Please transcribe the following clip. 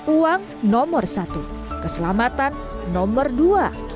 uang nomor satu keselamatan nomor dua